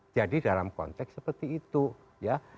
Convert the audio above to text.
jadi dalam konteks seperti itu ya